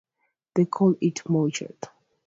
They called it "Mowichat".